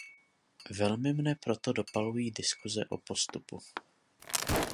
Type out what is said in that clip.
Velmi mne proto dopalují diskuse o postupu.